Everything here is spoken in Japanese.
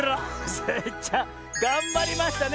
スイちゃんがんばりましたね。